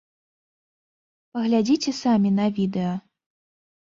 Паглядзіце самі на відэа.